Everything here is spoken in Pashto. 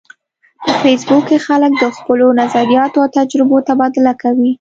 په فېسبوک کې خلک د خپلو نظریاتو او تجربو تبادله کوي